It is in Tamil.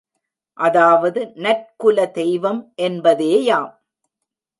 அதாவது நற்குல தெய்வம் என்பதேயாம்.